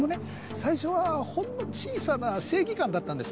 最初はほんの小さな正義感だったんです。